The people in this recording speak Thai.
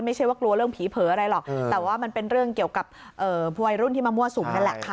ไม่ใช่ว่ากลัวเรื่องผีเผลออะไรหรอกแต่ว่ามันเป็นเรื่องเกี่ยวกับวัยรุ่นที่มามั่วสุมนั่นแหละค่ะ